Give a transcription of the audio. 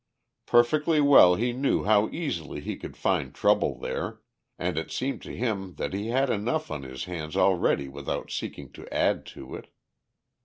Perfectly well he knew how easily he could find trouble there, and it seemed to him that he had enough on his hands already without seeking to add to it.